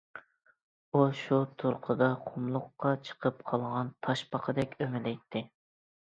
ئۇ شۇ تۇرقىدا قۇملۇققا چىقىپ قالغان تاشپاقىدەك ئۆمىلەيتتى.